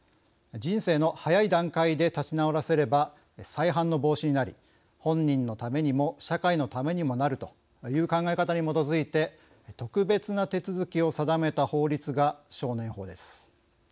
人生の早い段階で立ち直らせれば再犯の防止になり本人のためにも社会のためにもなるという考え方に基づいて特別な手続きを定めた法律が少年法です。